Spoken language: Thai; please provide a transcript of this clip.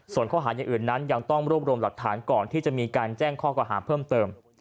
ส่วนข้อหาอย่างอื่นนั้นยังต้องรวบรวมหลักฐานก่อนที่จะมีการแจ้งข้อกล่าหาเพิ่มเติม